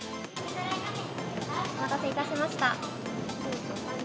お待たせいたしました。